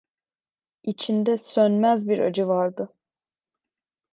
İçinde sönmez bir acı vardı.